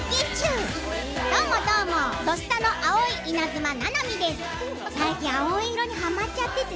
どうもどうも「土スタ」の青いイナズマななみです。